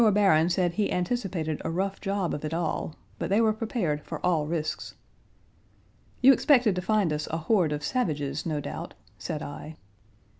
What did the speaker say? Page 121 Barron said he anticipated a rough job of it all, but they were prepared for all risks. "You expected to find us a horde of savages, no doubt," said I.